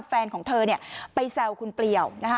แฟนของเธอไปแซวคุณเปลี่ยว